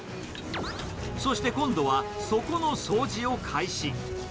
そして今度は、底の掃除を開始。